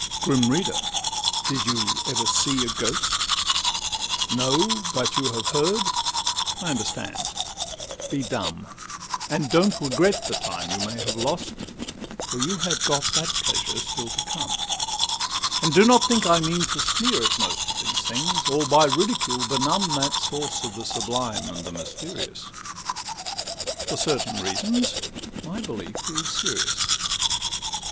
Grim reader! did you ever see a ghost? No; but you have heard—I understand—be dumb! And don't regret the time you may have lost, For you have got that pleasure still to come: And do not think I mean to sneer at most Of these things, or by ridicule benumb That source of the sublime and the mysterious:— For certain reasons my belief is serious.